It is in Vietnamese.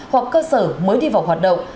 hoặc cơ sở mới đi vào hoạt động